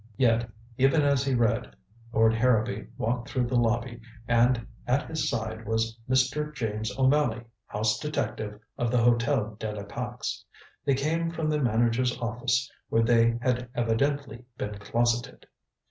Yet even as he read, Lord Harrowby walked through the lobby, and at his side was Mr. James O'Malley, house detective of the Hotel de la Pax. They came from the manager's office, where they had evidently been closeted.